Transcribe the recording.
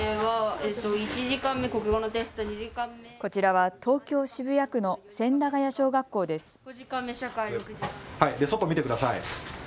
こちらは東京渋谷区の千駄谷小学校です。